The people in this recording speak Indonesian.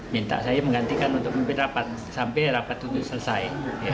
minta saya menggantikan untuk memimpin rapat sampai rapat untuk selesai